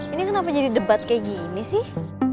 ini kenapa jadi debat kayak gini sih